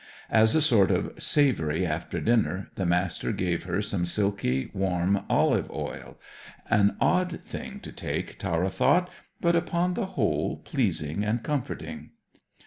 As a sort of savoury after dinner, the Master gave her some silky, warm olive oil; an odd thing to take, Tara thought, but upon the whole pleasing and comforting.